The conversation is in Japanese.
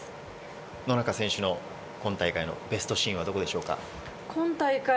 野中選手の今大会のベストシーンは、どこでしょうか？